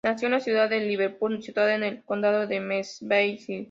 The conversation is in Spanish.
Nació en la ciudad de Liverpool, situada en el condado de Merseyside.